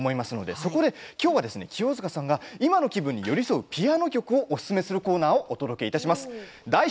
そこできょうは、清塚さんが今の気分に寄り添うピアノ曲をおすすめするコーナーをお届けします。